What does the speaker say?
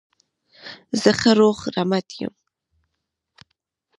زه ښه روغ رمټ یم.